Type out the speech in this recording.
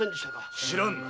知らんな。